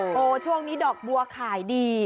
โอ้โหช่วงนี้ดอกบัวขายดี